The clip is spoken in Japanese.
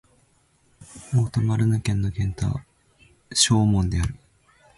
オート＝マルヌ県の県都はショーモンである